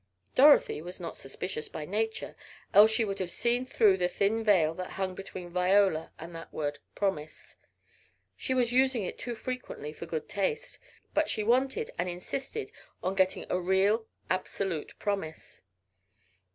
Dorothy was not suspicious by nature, else she would have seen through the thin veil that hung between Viola and that word "promise." She was using it too frequently for good taste, but she wanted and insisted on getting a real, absolute Promise.